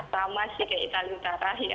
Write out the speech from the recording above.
sama sih kayak itali utara ya